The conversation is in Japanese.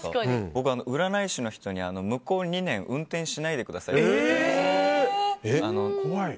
僕、占い師の人に向こう２年運転しないでくださいって言われました。